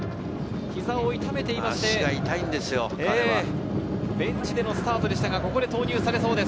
膝を痛めていまして、ベンチでのスタートでしたが、ここで投入されそうです。